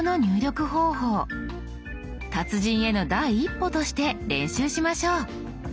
達人への第一歩として練習しましょう。